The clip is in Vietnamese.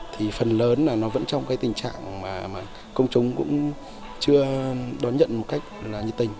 thì phần lớn là nó vẫn trong cái tình trạng mà công chúng cũng chưa đón nhận một cách là nhiệt tình